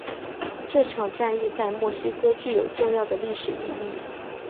这场战役在墨西哥具有重要的历史意义。